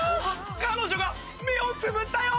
彼女が目をつぶったよ！